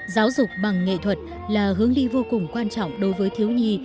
giáo dục bằng nghệ thuật là hướng đi vô cùng quan trọng đối với thiếu nhi